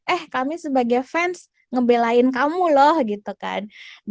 eh kami sebagai fans ngebelain kamu loh gitu kan